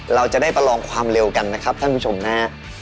เราจะได้ประลองความเร็วกันนะครับท่านผู้ชมนะฮะ